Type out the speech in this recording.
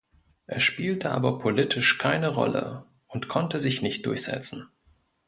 Er spielte aber politisch keine Rolle und konnte sich nicht durchsetzen.